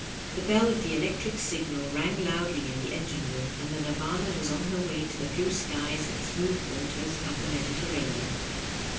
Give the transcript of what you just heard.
The bell of the electric signal rang loudly in the engine room, and the Nirvcma was on her way to the blue skies and smooth waters of the Mediterranean.